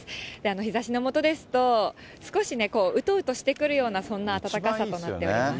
日ざしの下ですと、少しね、うとうとしてくるような、そんな暖かさとなっております。